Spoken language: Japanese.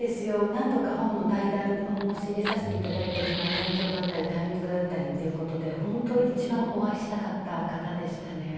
何度か対談を申し入れさせてもらったり体調だったりタイミングだったりということで本当、一番お会いしたかった方ですね。